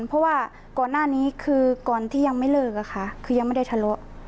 เพราะว่าก่อนหน้านี้คือก่อนที่ยังไม่เลิกอะค่ะคือยังไม่ได้ทะเลาะ